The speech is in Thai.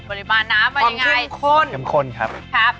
ปริมาณน้ำความเค้มข้น